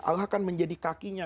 allah akan menjadi kakinya